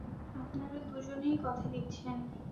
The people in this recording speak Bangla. আপনারা দুজনেই কথা দিচ্ছেন?